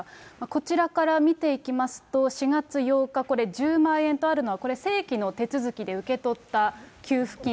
こちらから見ていきますと、４月８日、これ１０万円とあるのは、これ、正規の手続きで受け取った給付金。